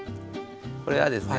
これはですね